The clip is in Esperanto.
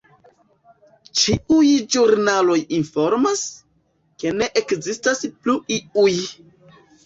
Ĉiuj ĵurnaloj informas, ke ne ekzistas plu iuj!